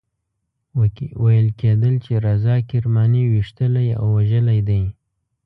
ویل کېدل چې رضا کرماني ویشتلی او وژلی دی.